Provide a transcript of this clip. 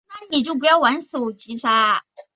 但是到时候你努力到死